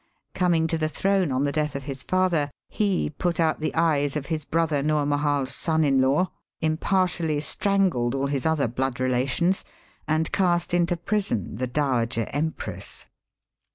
Coming to the throne on the death of his father, he put out the eyes of his brother Noor Mahal's son in law, impartially strangled all his other blood relations, and cast into prison the dowager Empress.